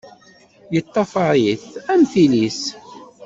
Yeṭṭafaṛ-it am tili-s!